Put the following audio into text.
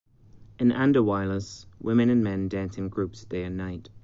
In Andahuaylas, women and men dance in groups day and night.